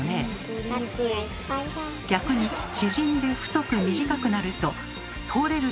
逆に縮んで太く短くなると通れる